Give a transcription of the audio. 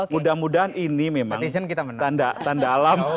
mudah mudahan ini memang tanda alam